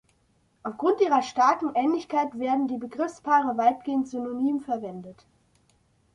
Aufgrund ihrer starken Ähnlichkeit werden die Begriffspaare weitestgehend synonym verwendet.